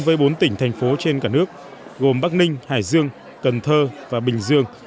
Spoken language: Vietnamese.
với bốn tỉnh thành phố trên cả nước gồm bắc ninh hải dương cần thơ và bình dương